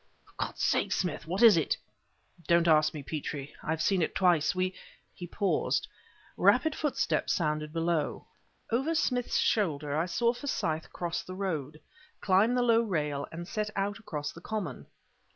"For God's sake, Smith, what was it?" "Don't ask me, Petrie. I have seen it twice. We " He paused. Rapid footsteps sounded below. Over Smith's shoulder I saw Forsyth cross the road, climb the low rail, and set out across the common.